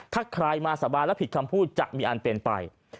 ถ้าใครมาสาบานแล้วผิดคำพูดจะมีอันเป็นไป